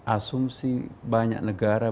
asumsi banyak negara